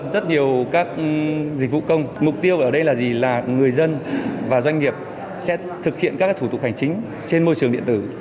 rất nhiều các dịch vụ công mục tiêu ở đây là gì là người dân và doanh nghiệp sẽ thực hiện các thủ tục hành chính trên môi trường điện tử